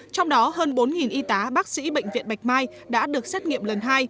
trong đó hơn bốn y tá bác sĩ bệnh viện bạch mai đã được xét nghiệm lần hai